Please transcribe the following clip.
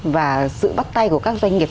và sự bắt tay của các doanh nghiệp